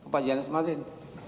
pak johannes marlim